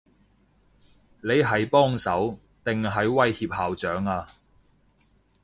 你係幫手，定係威脅校長啊？